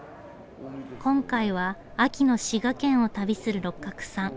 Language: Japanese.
今回は秋の滋賀県を旅する六角さん。